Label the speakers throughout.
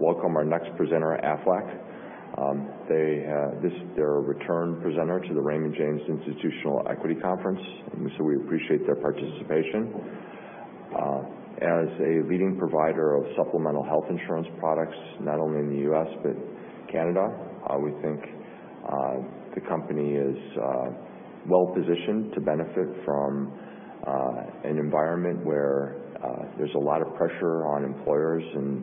Speaker 1: Welcome our next presenter, Aflac. They're a return presenter to the Raymond James Institutional Equity Conference. We appreciate their participation. As a leading provider of supplemental health insurance products, not only in the U.S. but Canada, we think the company is well-positioned to benefit from an environment where there's a lot of pressure on employers and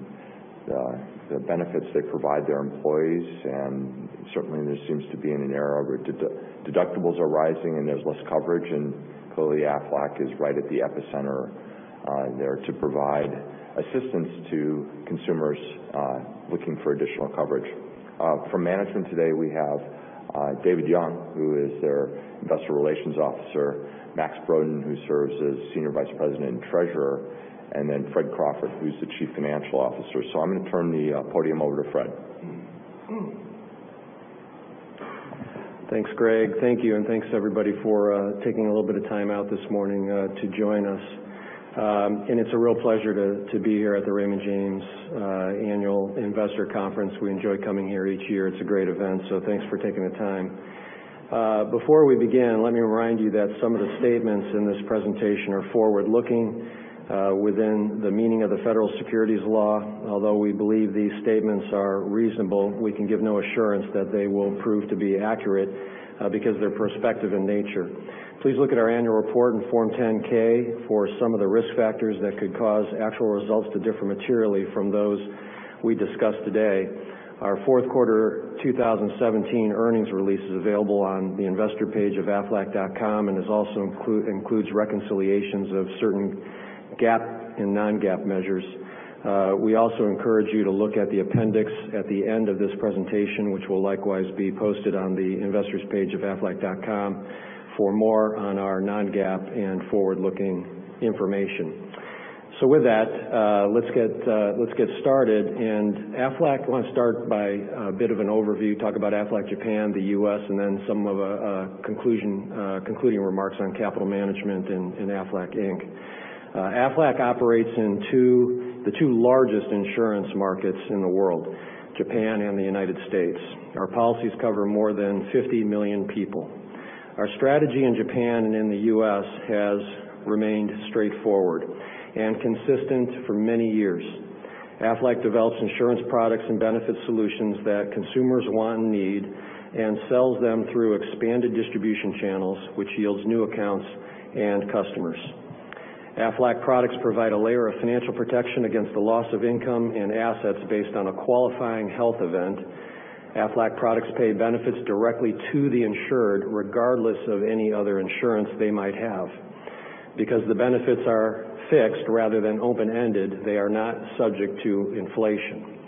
Speaker 1: the benefits they provide their employees. This seems to be in an era where deductibles are rising and there's less coverage. Aflac is right at the epicenter there to provide assistance to consumers looking for additional coverage. From management today, we have David Young, who is their investor relations officer, Max Brodén, who serves as senior vice president and treasurer, Fred Crawford, who's the Chief Financial Officer. I'm going to turn the podium over to Fred.
Speaker 2: Thanks, Greg. Thank you, and thanks everybody for taking a little bit of time out this morning to join us. It's a real pleasure to be here at the Raymond James Annual Investor Conference. We enjoy coming here each year. It's a great event. Thanks for taking the time. Before we begin, let me remind you that some of the statements in this presentation are forward-looking within the meaning of the federal securities law. Although we believe these statements are reasonable, we can give no assurance that they will prove to be accurate because they're prospective in nature. Please look at our annual report in Form 10-K for some of the risk factors that could cause actual results to differ materially from those we discuss today. Our fourth quarter 2017 earnings release is available on the investor page of aflac.com. It also includes reconciliations of certain GAAP and non-GAAP measures. We also encourage you to look at the appendix at the end of this presentation, which will likewise be posted on the investors page of aflac.com for more on our non-GAAP and forward-looking information. With that, let's get started. Aflac, I want to start by a bit of an overview, talk about Aflac Japan, the U.S., some concluding remarks on capital management in Aflac Inc. Aflac operates in the two largest insurance markets in the world, Japan and the United States. Our policies cover more than 50 million people. Our strategy in Japan and in the U.S. has remained straightforward and consistent for many years. Aflac develops insurance products and benefit solutions that consumers want and need and sells them through expanded distribution channels, which yields new accounts and customers. Aflac products provide a layer of financial protection against the loss of income and assets based on a qualifying health event. Aflac products pay benefits directly to the insured regardless of any other insurance they might have. Because the benefits are fixed rather than open-ended, they are not subject to inflation.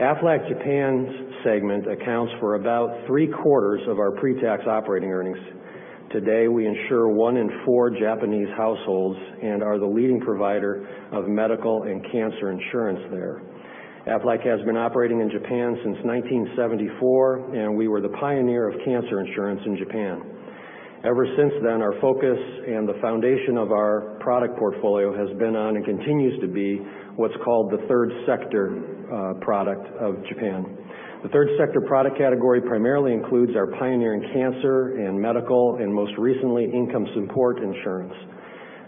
Speaker 2: Aflac Japan's segment accounts for about three-quarters of our pre-tax operating earnings. Today, we insure one in four Japanese households and are the leading provider of medical and cancer insurance there. Aflac has been operating in Japan since 1974. We were the pioneer of cancer insurance in Japan. Ever since then, our focus and the foundation of our product portfolio has been on and continues to be what's called the third sector product of Japan. The third sector product category primarily includes our pioneering cancer and medical, and most recently, Income Support Insurance.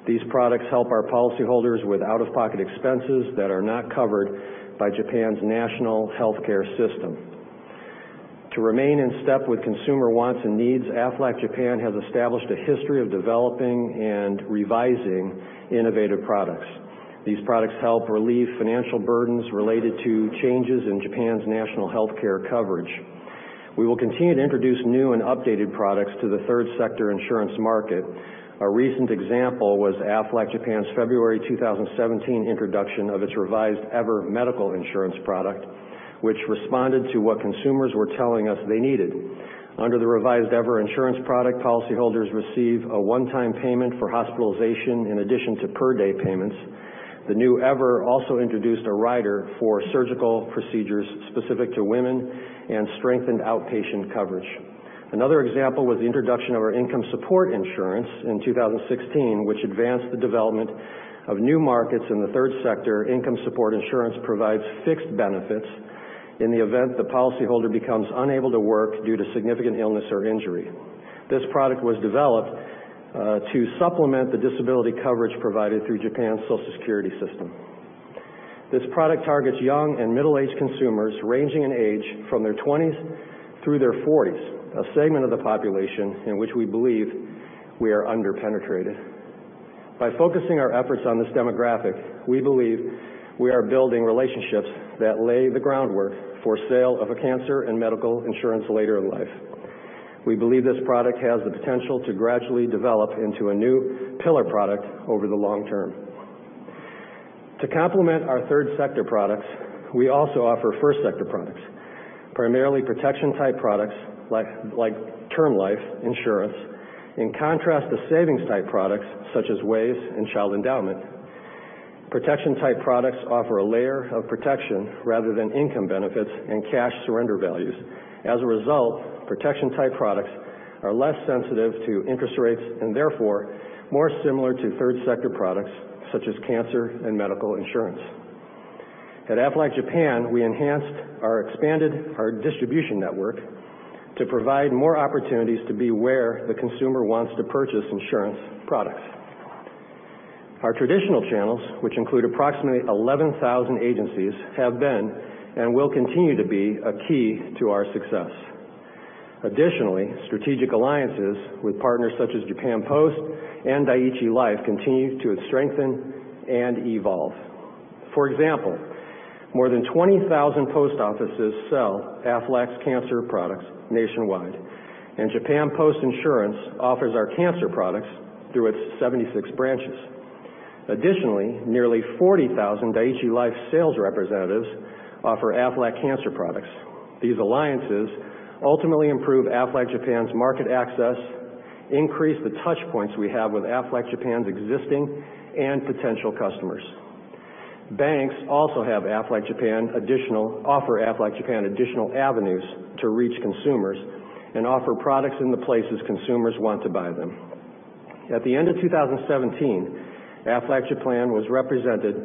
Speaker 2: These products help our policyholders with out-of-pocket expenses that are not covered by Japan's national healthcare system. To remain in step with consumer wants and needs, Aflac Japan has established a history of developing and revising innovative products. These products help relieve financial burdens related to changes in Japan's national healthcare coverage. We will continue to introduce new and updated products to the third sector insurance market. A recent example was Aflac Japan's February 2017 introduction of its revised EVER Medical Insurance product, which responded to what consumers were telling us they needed. Under the revised EVER insurance product, policyholders receive a one-time payment for hospitalization in addition to per-day payments. The new EVER also introduced a rider for surgical procedures specific to women and strengthened outpatient coverage. Another example was the introduction of our Income Support Insurance in 2016, which advanced the development of new markets in the third sector. Income Support Insurance provides fixed benefits in the event the policyholder becomes unable to work due to significant illness or injury. This product was developed to supplement the disability coverage provided through Japan's Social Security system. This product targets young and middle-aged consumers ranging in age from their 20s through their 40s, a segment of the population in which we believe we are under-penetrated. By focusing our efforts on this demographic, we believe we are building relationships that lay the groundwork for sale of a cancer and medical insurance later in life. We believe this product has the potential to gradually develop into a new pillar product over the long term. To complement our third sector products, we also offer first sector products, primarily protection-type products like term life insurance. In contrast to savings-type products such as WAYS and child endowment, protection-type products offer a layer of protection rather than income benefits and cash surrender values. As a result, protection-type products are less sensitive to interest rates and therefore more similar to third sector products such as cancer and medical insurance. At Aflac Japan, we enhanced or expanded our distribution network to provide more opportunities to be where the consumer wants to purchase insurance products. Our traditional channels, which include approximately 11,000 agencies, have been and will continue to be a key to our success. Additionally, strategic alliances with partners such as Japan Post and Dai-ichi Life continue to strengthen and evolve. More than 20,000 post offices sell Aflac's cancer products nationwide, and Japan Post Insurance offers our cancer products through its 76 branches. Additionally, nearly 40,000 Dai-ichi Life sales representatives offer Aflac cancer products. These alliances ultimately improve Aflac Japan's market access, increase the touch points we have with Aflac Japan's existing and potential customers. Banks also offer Aflac Japan additional avenues to reach consumers and offer products in the places consumers want to buy them. At the end of 2017, Aflac Japan was represented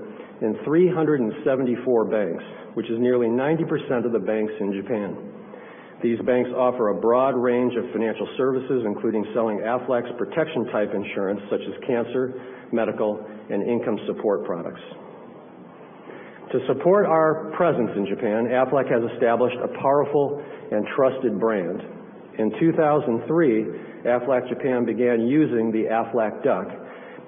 Speaker 2: in 374 banks, which is nearly 90% of the banks in Japan. These banks offer a broad range of financial services, including selling Aflac's protection type insurance such as cancer, medical, and Income Support products. To support our presence in Japan, Aflac has established a powerful and trusted brand. In 2003, Aflac Japan began using the Aflac Duck.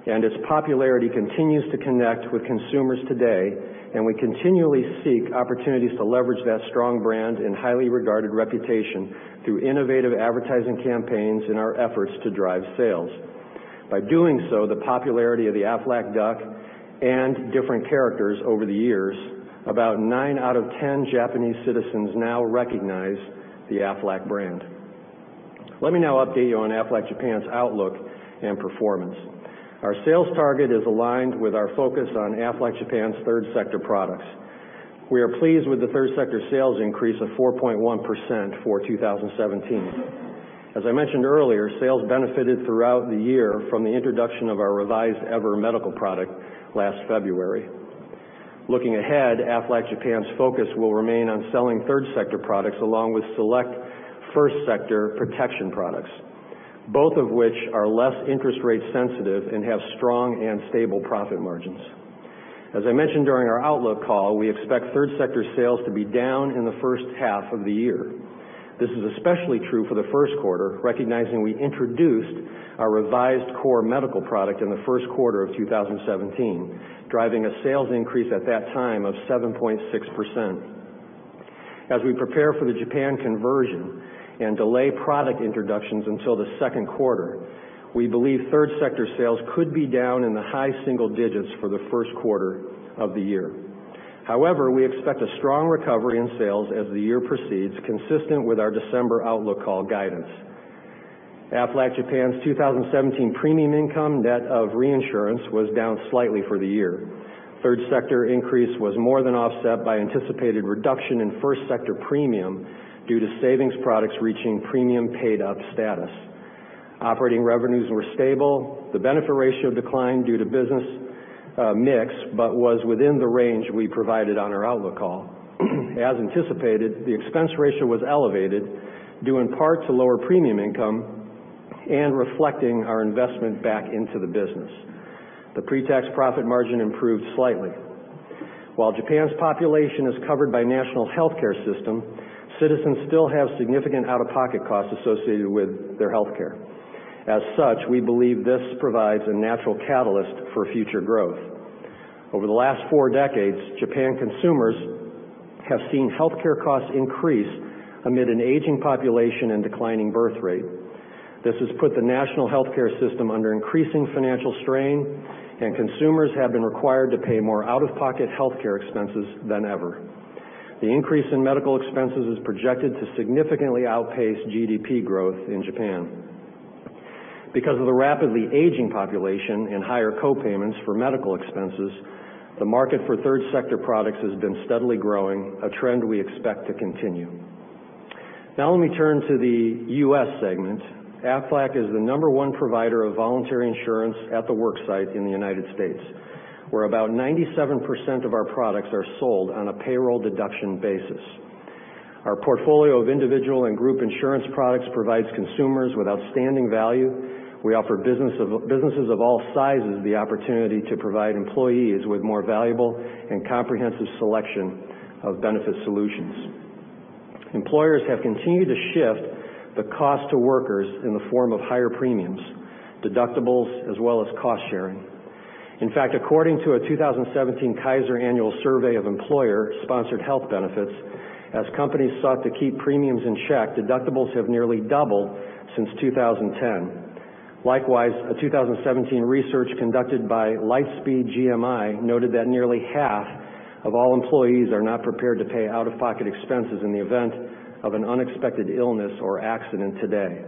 Speaker 2: Its popularity continues to connect with consumers today. We continually seek opportunities to leverage that strong brand and highly regarded reputation through innovative advertising campaigns in our efforts to drive sales. By doing so, the popularity of the Aflac Duck and different characters over the years, about nine out of ten Japanese citizens now recognize the Aflac brand. Let me now update you on Aflac Japan's outlook and performance. Our sales target is aligned with our focus on Aflac Japan's third sector products. We are pleased with the third sector sales increase of 4.1% for 2017. As I mentioned earlier, sales benefited throughout the year from the introduction of our revised EVER medical product last February. Looking ahead, Aflac Japan's focus will remain on selling third sector products along with select first sector protection products, both of which are less interest rate sensitive and have strong and stable profit margins. As I mentioned during our outlook call, we expect third sector sales to be down in the first half of the year. This is especially true for the first quarter, recognizing we introduced our revised core medical product in the first quarter of 2017, driving a sales increase at that time of 7.6%. As we prepare for the Japan conversion and delay product introductions until the second quarter, we believe third sector sales could be down in the high single digits for the first quarter of the year. We expect a strong recovery in sales as the year proceeds consistent with our December outlook call guidance. Aflac Japan's 2017 premium income net of reinsurance was down slightly for the year. Third sector increase was more than offset by anticipated reduction in first sector premium due to savings products reaching premium paid-up status. Operating revenues were stable. The benefit ratio declined due to business mix, but was within the range we provided on our outlook call. As anticipated, the expense ratio was elevated due in part to lower premium income and reflecting our investment back into the business. The pre-tax profit margin improved slightly. While Japan's population is covered by national healthcare system, citizens still have significant out-of-pocket costs associated with their healthcare. As such, we believe this provides a natural catalyst for future growth. Over the last four decades, Japan consumers have seen healthcare costs increase amid an aging population and declining birth rate. This has put the national healthcare system under increasing financial strain. Consumers have been required to pay more out-of-pocket healthcare expenses than ever. The increase in medical expenses is projected to significantly outpace GDP growth in Japan. Because of the rapidly aging population and higher co-payments for medical expenses, the market for third sector products has been steadily growing, a trend we expect to continue. Now let me turn to the U.S. segment. Aflac is the number one provider of voluntary insurance at the work site in the United States, where about 97% of our products are sold on a payroll deduction basis. Our portfolio of individual and group insurance products provides consumers with outstanding value. We offer businesses of all sizes the opportunity to provide employees with more valuable and comprehensive selection of benefit solutions. Employers have continued to shift the cost to workers in the form of higher premiums, deductibles, as well as cost sharing. In fact, according to a 2017 Kaiser Family Foundation annual survey of employer-sponsored health benefits, as companies sought to keep premiums in check, deductibles have nearly doubled since 2010. Likewise, a 2017 research conducted by Lightspeed GMI noted that nearly half of all employees are not prepared to pay out-of-pocket expenses in the event of an unexpected illness or accident today.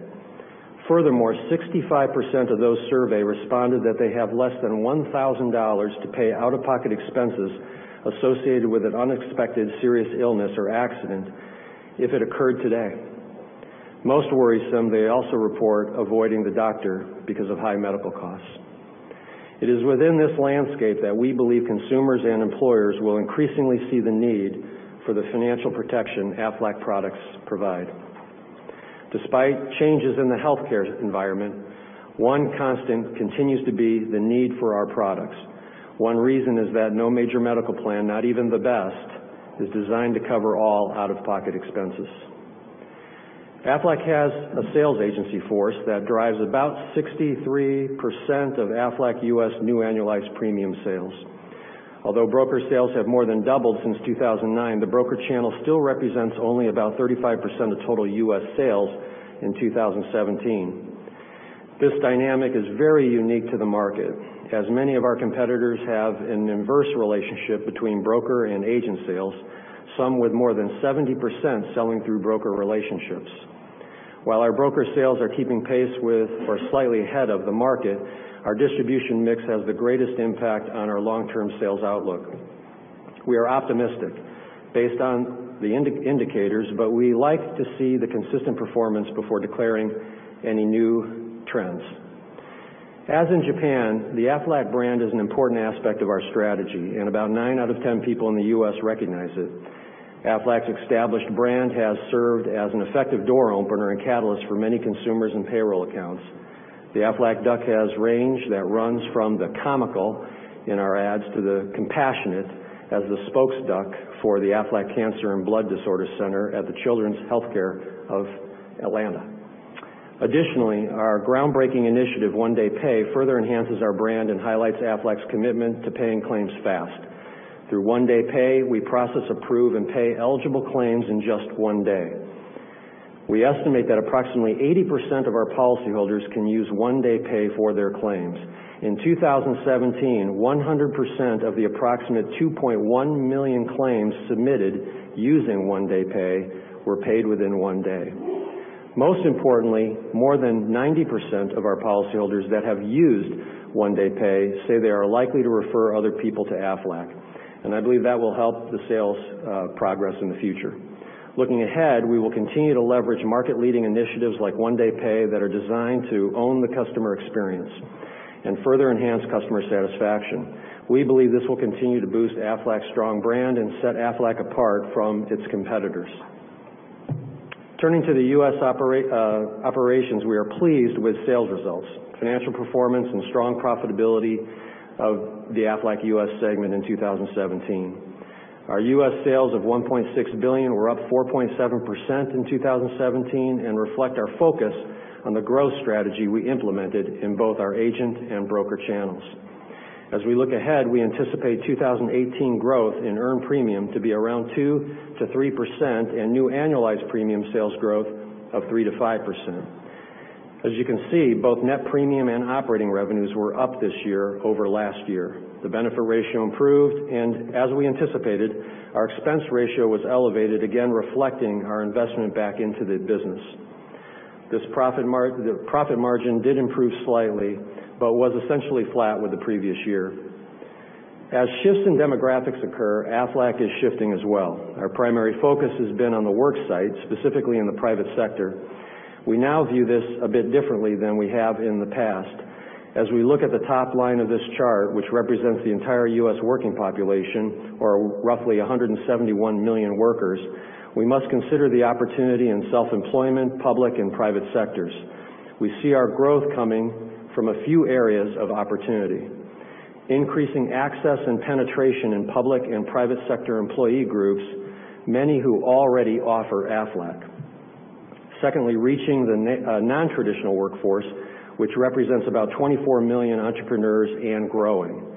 Speaker 2: Furthermore, 65% of those surveyed responded that they have less than $1,000 to pay out-of-pocket expenses associated with an unexpected serious illness or accident if it occurred today. Most worrisome, they also report avoiding the doctor because of high medical costs. It is within this landscape that we believe consumers and employers will increasingly see the need for the financial protection Aflac products provide. Despite changes in the healthcare environment, one constant continues to be the need for our products. One reason is that no major medical plan, not even the best, is designed to cover all out-of-pocket expenses. Aflac has a sales agency force that drives about 63% of Aflac U.S. new annualized premium sales. Although broker sales have more than doubled since 2009, the broker channel still represents only about 35% of total U.S. sales in 2017. This dynamic is very unique to the market, as many of our competitors have an inverse relationship between broker and agent sales, some with more than 70% selling through broker relationships. While our broker sales are keeping pace with or slightly ahead of the market, our distribution mix has the greatest impact on our long-term sales outlook. We are optimistic based on the indicators, but we like to see the consistent performance before declaring any new trends. As in Japan, the Aflac brand is an important aspect of our strategy, and about nine out of 10 people in the U.S. recognize it. Aflac's established brand has served as an effective door opener and catalyst for many consumers and payroll accounts. The Aflac Duck has range that runs from the comical in our ads to the compassionate as the spokesduck for the Aflac Cancer and Blood Disorders Center at the Children's Healthcare of Atlanta. Additionally, our groundbreaking initiative, One Day Pay, further enhances our brand and highlights Aflac's commitment to paying claims fast. Through One Day Pay, we process, approve, and pay eligible claims in just one day. We estimate that approximately 80% of our policyholders can use One Day Pay for their claims. In 2017, 100% of the approximate 2.1 million claims submitted using One Day Pay were paid within one day. Most importantly, more than 90% of our policyholders that have used One Day Pay say they are likely to refer other people to Aflac, and I believe that will help the sales progress in the future. Looking ahead, we will continue to leverage market-leading initiatives like One Day Pay that are designed to own the customer experience and further enhance customer satisfaction. We believe this will continue to boost Aflac's strong brand and set Aflac apart from its competitors. Turning to the U.S. operations, we are pleased with sales results, financial performance, and strong profitability of the Aflac U.S. segment in 2017. Our U.S. sales of $1.6 billion were up 4.7% in 2017 and reflect our focus on the growth strategy we implemented in both our agent and broker channels. As we look ahead, we anticipate 2018 growth in earned premium to be around 2%-3% and new annualized premium sales growth of 3%-5%. As you can see, both net premium and operating revenues were up this year over last year. The benefit ratio improved, and as we anticipated, our expense ratio was elevated, again reflecting our investment back into the business. The profit margin did improve slightly but was essentially flat with the previous year. As shifts in demographics occur, Aflac is shifting as well. Our primary focus has been on the worksite, specifically in the private sector. We now view this a bit differently than we have in the past. As we look at the top line of this chart, which represents the entire U.S. working population, or roughly 171 million workers, we must consider the opportunity in self-employment, public and private sectors. We see our growth coming from a few areas of opportunity. Increasing access and penetration in public and private sector employee groups, many who already offer Aflac. Secondly, reaching the non-traditional workforce, which represents about 24 million entrepreneurs and growing.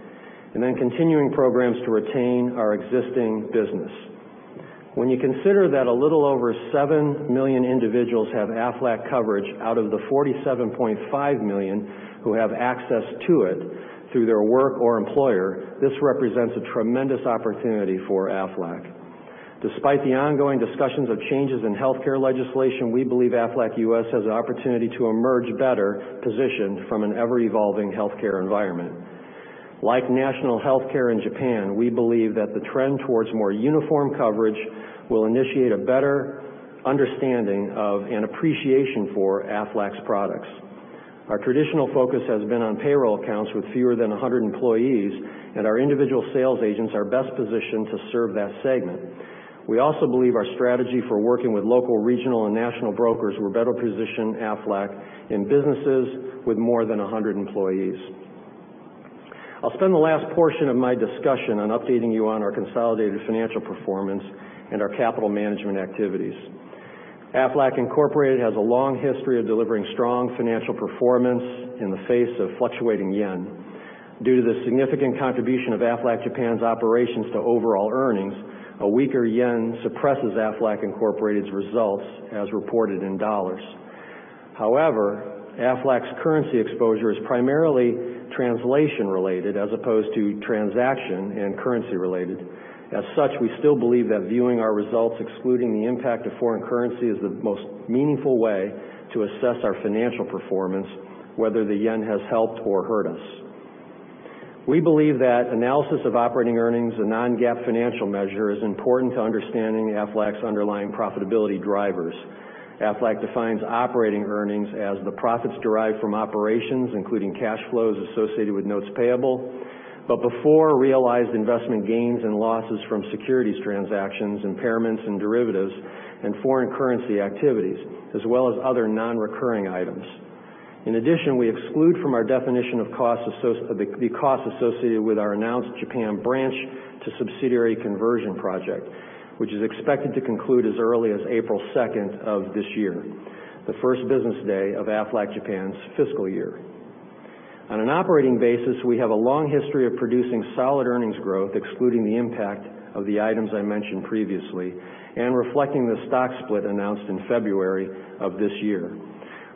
Speaker 2: Continuing programs to retain our existing business. When you consider that a little over 7 million individuals have Aflac coverage out of the 47.5 million who have access to it through their work or employer, this represents a tremendous opportunity for Aflac. Despite the ongoing discussions of changes in healthcare legislation, we believe Aflac U.S. has an opportunity to emerge better positioned from an ever-evolving healthcare environment. Like national healthcare in Japan, we believe that the trend towards more uniform coverage will initiate a better understanding of and appreciation for Aflac's products. Our traditional focus has been on payroll accounts with fewer than 100 employees, and our individual sales agents are best positioned to serve that segment. We also believe our strategy for working with local, regional, and national brokers will better position Aflac in businesses with more than 100 employees. I'll spend the last portion of my discussion on updating you on our consolidated financial performance and our capital management activities. Aflac Incorporated has a long history of delivering strong financial performance in the face of fluctuating yen. Due to the significant contribution of Aflac Japan's operations to overall earnings, a weaker yen suppresses Aflac Incorporated's results as reported in dollars. Aflac's currency exposure is primarily translation-related as opposed to transaction and currency-related. We still believe that viewing our results excluding the impact of foreign currency is the most meaningful way to assess our financial performance, whether the yen has helped or hurt us. We believe that analysis of operating earnings, a non-GAAP financial measure, is important to understanding Aflac's underlying profitability drivers. Aflac defines operating earnings as the profits derived from operations, including cash flows associated with notes payable, but before realized investment gains and losses from securities transactions, impairments, and derivatives, and foreign currency activities, as well as other non-recurring items. In addition, we exclude from our definition the costs associated with our announced Japan branch to subsidiary conversion project, which is expected to conclude as early as April 2 of this year, the first business day of Aflac Japan's fiscal year. On an operating basis, we have a long history of producing solid earnings growth, excluding the impact of the items I mentioned previously and reflecting the stock split announced in February of this year.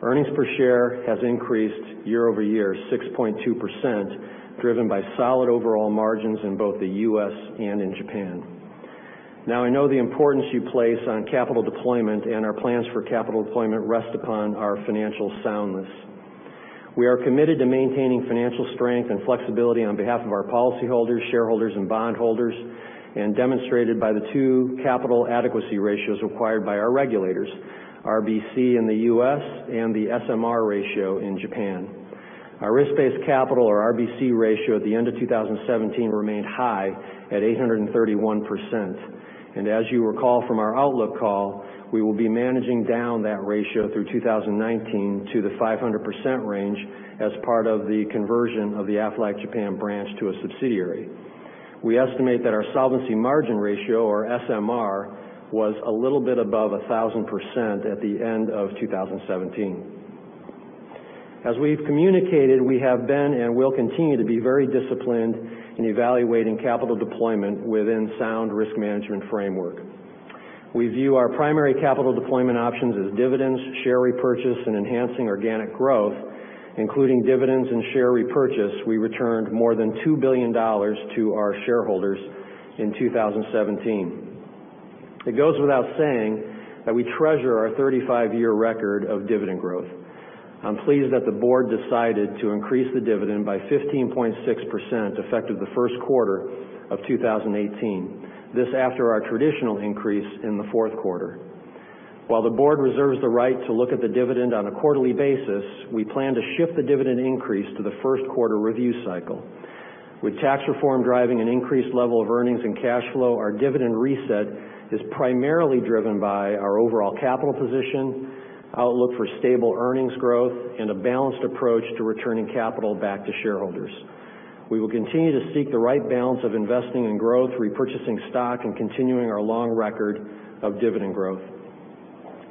Speaker 2: Earnings per share has increased year-over-year 6.2%, driven by solid overall margins in both the U.S. and in Japan. I know the importance you place on capital deployment and our plans for capital deployment rest upon our financial soundness. We are committed to maintaining financial strength and flexibility on behalf of our policyholders, shareholders, and bondholders, and demonstrated by the two capital adequacy ratios required by our regulators, RBC in the U.S. and the SMR ratio in Japan. Our risk-based capital or RBC ratio at the end of 2017 remained high at 831%. As you recall from our outlook call, we will be managing down that ratio through 2019 to the 500% range as part of the conversion of the Aflac Japan branch to a subsidiary. We estimate that our solvency margin ratio, or SMR, was a little bit above 1,000% at the end of 2017. As we've communicated, we have been and will continue to be very disciplined in evaluating capital deployment within sound risk management framework. We view our primary capital deployment options as dividends, share repurchase, and enhancing organic growth. Including dividends and share repurchase, we returned more than $2 billion to our shareholders in 2017. It goes without saying that we treasure our 35-year record of dividend growth. I'm pleased that the board decided to increase the dividend by 15.6%, effective the first quarter of 2018. This after our traditional increase in the fourth quarter. While the board reserves the right to look at the dividend on a quarterly basis, we plan to shift the dividend increase to the first quarter review cycle. With tax reform driving an increased level of earnings and cash flow, our dividend reset is primarily driven by our overall capital position, outlook for stable earnings growth, and a balanced approach to returning capital back to shareholders. We will continue to seek the right balance of investing in growth, repurchasing stock, and continuing our long record of dividend growth.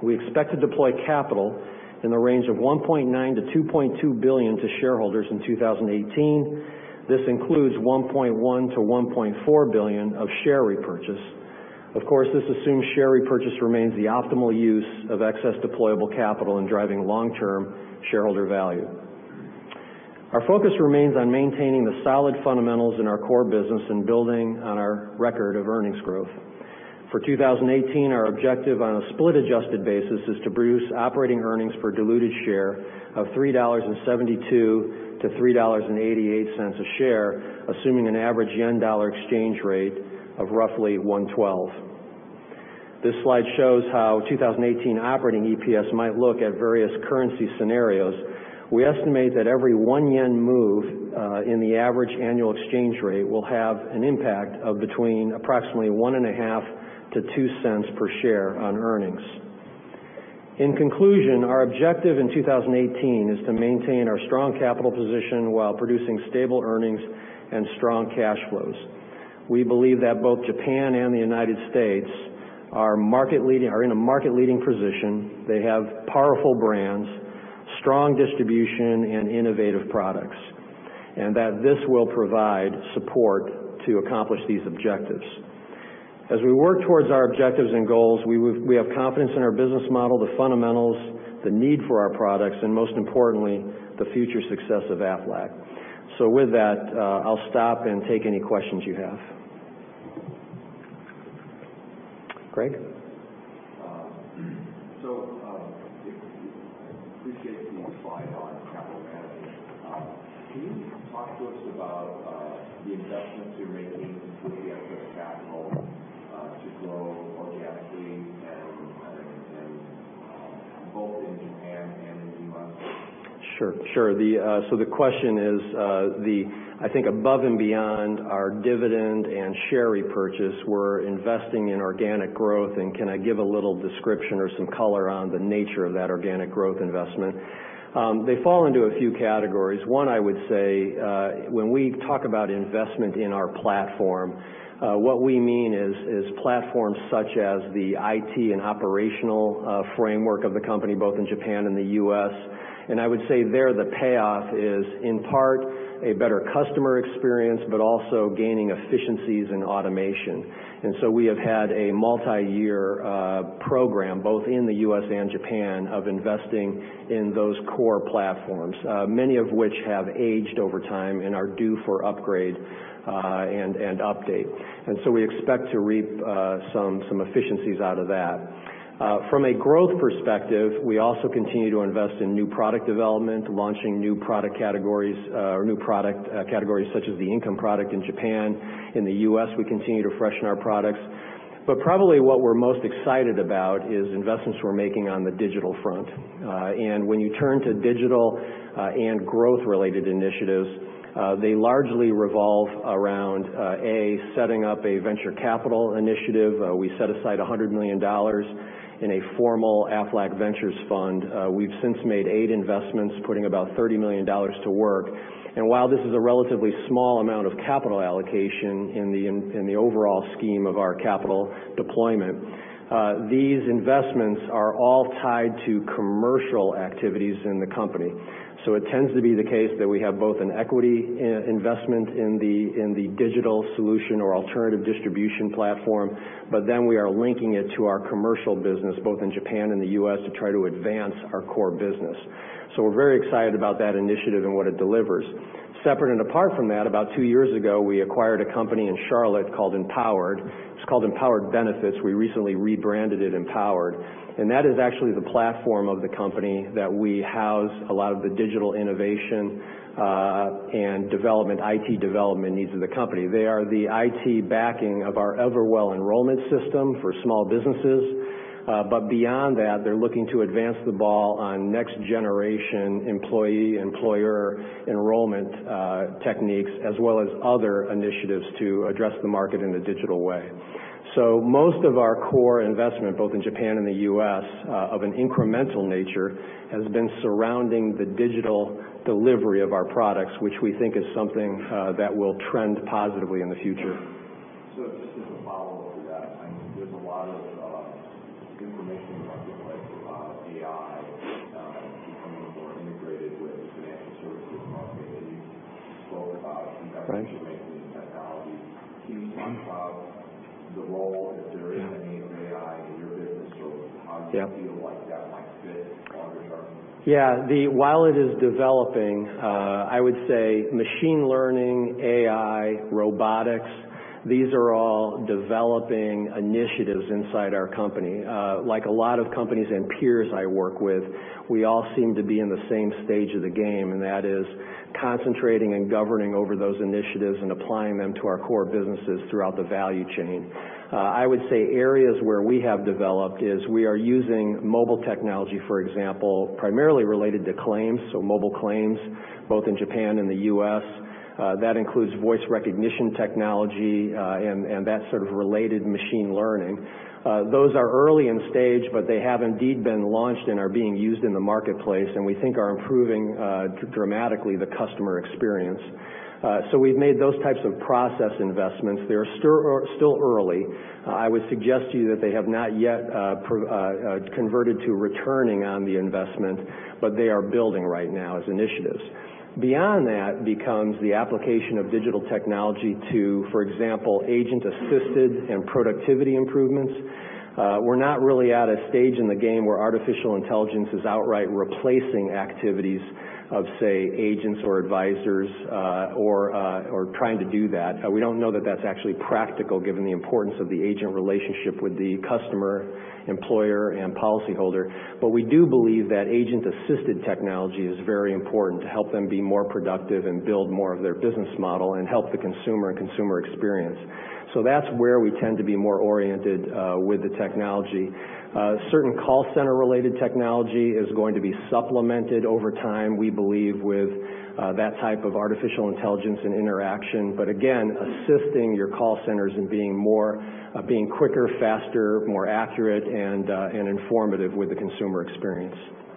Speaker 2: We expect to deploy capital in the range of $1.9 billion-$2.2 billion to shareholders in 2018. This includes $1.1 billion-$1.4 billion of share repurchase. Of course, this assumes share repurchase remains the optimal use of excess deployable capital in driving long-term shareholder value. Our focus remains on maintaining the solid fundamentals in our core business and building on our record of earnings growth. For 2018, our objective on a split adjusted basis is to produce operating earnings per diluted share of $3.72-$3.88 a share, assuming an average yen-dollar exchange rate of roughly 112. This slide shows how 2018 operating EPS might look at various currency scenarios. We estimate that every one yen move in the average annual exchange rate will have an impact of between approximately $0.015-$0.02 per share on earnings. In conclusion, our objective in 2018 is to maintain our strong capital position while producing stable earnings and strong cash flows. We believe that both Japan and the U.S. are in a market leading position, they have powerful brands, strong distribution, and innovative products, and that this will provide support to accomplish these objectives. As we work towards our objectives and goals, we have confidence in our business model, the fundamentals, the need for our products, and most importantly, the future success of Aflac. With that, I'll stop and take any questions you have. Greg?
Speaker 1: I appreciate the slide on capital management. Can you talk to us about the investment you're making in deployable capital to grow organically both in Japan and in the U.S.?
Speaker 2: Sure. The question is, I think above and beyond our dividend and share repurchase, we're investing in organic growth and can I give a little description or some color on the nature of that organic growth investment? They fall into a few categories. One, I would say, when we talk about investment in our platform, what we mean is platforms such as the IT and operational framework of the company, both in Japan and the U.S., and I would say there the payoff is in part a better customer experience, but also gaining efficiencies in automation. We have had a multi-year program, both in the U.S. and Japan, of investing in those core platforms, many of which have aged over time and are due for upgrade and update. We expect to reap some efficiencies out of that. From a growth perspective, we also continue to invest in new product development, launching new product categories such as the Income Support Insurance product in Japan. In the U.S., we continue to freshen our products. Probably what we're most excited about is investments we're making on the digital front. When you turn to digital and growth-related initiatives, they largely revolve around, A, setting up a venture capital initiative. We set aside $100 million in a formal Aflac Ventures fund. We've since made eight investments, putting about $30 million to work. While this is a relatively small amount of capital allocation in the overall scheme of our capital deployment, these investments are all tied to commercial activities in the company. It tends to be the case that we have both an equity investment in the digital solution or alternative distribution platform, we are linking it to our commercial business, both in Japan and the U.S., to try to advance our core business. We're very excited about that initiative and what it delivers. Separate and apart from that, about two years ago, we acquired a company in Charlotte called Empowered. It was called Empowered Benefits. We recently rebranded it Empowered, and that is actually the platform of the company that we house a lot of the digital innovation and IT development needs of the company. They are the IT backing of our Everwell enrollment system for small businesses. Beyond that, they're looking to advance the ball on next generation employee-employer enrollment techniques, as well as other initiatives to address the market in a digital way. Most of our core investment, both in Japan and the U.S., of an incremental nature, has been surrounding the digital delivery of our products, which we think is something that will trend positively in the future.
Speaker 1: Just as a follow-up to that, there's a lot of information about things like AI becoming more integrated with financial services and how you spoke about some investment you're making in technology. Can you talk about the role, if there is any, of AI in your business? How do you feel like that might fit under your-
Speaker 2: Yeah. While it is developing, I would say machine learning, AI, robotics, these are all developing initiatives inside our company. Like a lot of companies and peers I work with, we all seem to be in the same stage of the game, and that is concentrating and governing over those initiatives and applying them to our core businesses throughout the value chain. I would say areas where we have developed is we are using mobile technology, for example, primarily related to claims, mobile claims both in Japan and the U.S. That includes voice recognition technology, and that sort of related machine learning. Those are early in stage, but they have indeed been launched and are being used in the marketplace, and we think are improving dramatically the customer experience. We've made those types of process investments. They are still early. I would suggest to you that they have not yet converted to returning on the investment, they are building right now as initiatives. Beyond that becomes the application of digital technology to, for example, agent-assisted and productivity improvements. We're not really at a stage in the game where artificial intelligence is outright replacing activities of, say, agents or advisors, or trying to do that. We don't know that that's actually practical, given the importance of the agent relationship with the customer, employer, and policyholder. We do believe that agent-assisted technology is very important to help them be more productive and build more of their business model and help the consumer and consumer experience. That's where we tend to be more oriented with the technology. Certain call center-related technology is going to be supplemented over time, we believe, with that type of artificial intelligence and interaction. Again, assisting your call centers in being quicker, faster, more accurate, and informative with the consumer experience.
Speaker 1: I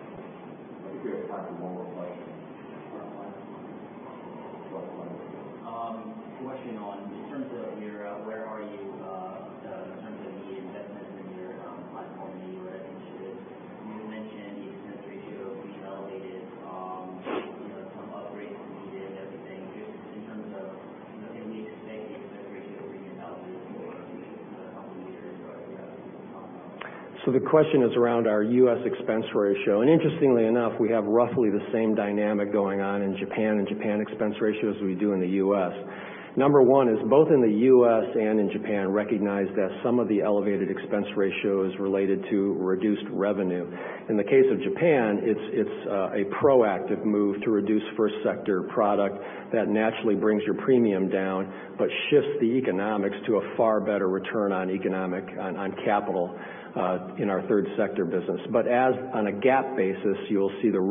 Speaker 2: Number one is both in the U.S. and in Japan, recognize that some of the elevated expense ratio is related to reduced revenue. In the case of Japan, it's a proactive move to reduce first sector product that naturally brings your premium down but shifts the economics to a far better return on capital in our third sector business. As on a GAAP basis, you'll see the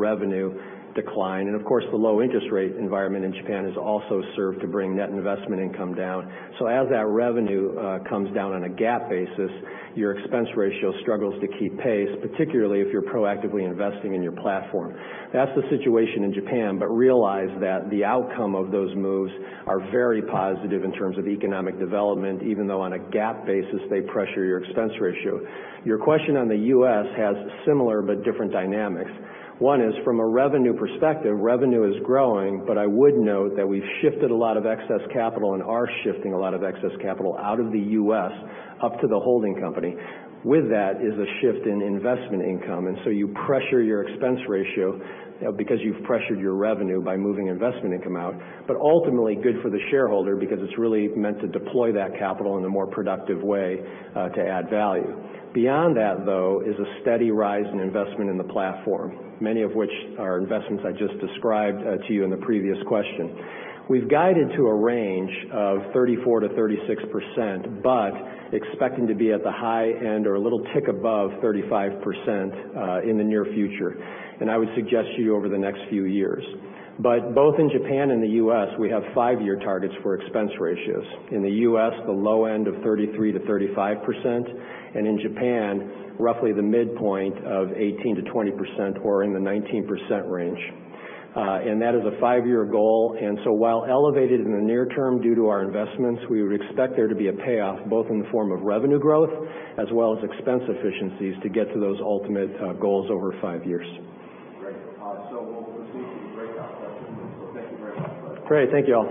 Speaker 2: revenue decline, and of course, the low interest rate environment in Japan has also served to bring net investment income down. As that revenue comes down on a GAAP basis, your expense ratio struggles to keep pace, particularly if you're proactively investing in your platform. That's the situation in Japan. Realize that the outcome of those moves are very positive in terms of economic development, even though on a GAAP basis, they pressure your expense ratio. Your question on the U.S. has similar but different dynamics. One is from a revenue perspective, revenue is growing. I would note that we've shifted a lot of excess capital and are shifting a lot of excess capital out of the U.S. up to the holding company. With that is a shift in investment income. You pressure your expense ratio because you've pressured your revenue by moving investment income out. Ultimately good for the shareholder because it's really meant to deploy that capital in a more productive way to add value. Beyond that, though, is a steady rise in investment in the platform, many of which are investments I just described to you in the previous question. We've guided to a range of 34%-36%. Expecting to be at the high end or a little tick above 35% in the near future, and I would suggest to you over the next few years. Both in Japan and the U.S., we have five-year targets for expense ratios. In the U.S., the low end of 33%-35%, and in Japan, roughly the midpoint of 18%-20% or in the 19% range. That is a five-year goal. While elevated in the near term due to our investments, we would expect there to be a payoff both in the form of revenue growth as well as expense efficiencies to get to those ultimate goals over five years.
Speaker 1: Great. We'll proceed to the breakout sessions. Thank you very much.
Speaker 2: Great. Thank you all.